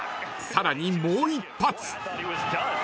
［さらにもう一発］